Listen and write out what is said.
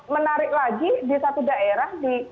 menarik lagi di satu daerah